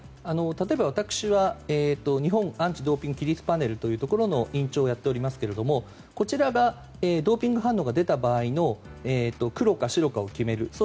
例えば、私は日本アンチ・ドーピング規律パネルというところの委員長をやっておりますけれどもこちらがドーピング反応が出た場合のクロかシロかを決める。